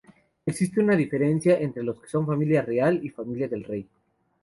Existe una diferencia entre los que son Familia Real y Familia del Rey.